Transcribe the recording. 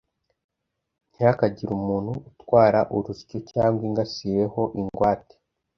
ntihakagire umuntu utwara urusyo cyangwa ingasire ho ingwate,